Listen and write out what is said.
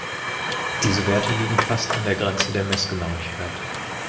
Diese Werte liegen fast an der Grenze der Messgenauigkeit.